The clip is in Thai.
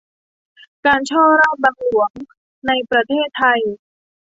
การฉ้อราษฎร์บังหลวงในประเทศไทย